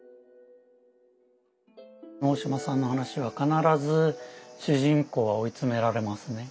大島さんの話は必ず主人公は追い詰められますね。